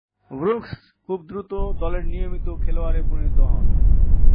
Brooks খুব দ্রুত দলের নিয়মিত খেলোয়াড়ে পরিণত হন।